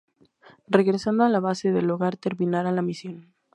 Regresando a la Base del Hogar terminará la misión.